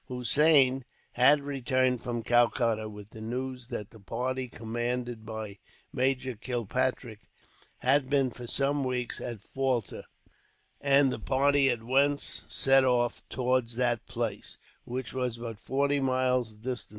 Hossein had returned from Calcutta, with the news that the party commanded by Major Kilpatrick had been, for some weeks, at Falta; and the party at once set off towards that place, which was but forty miles distant.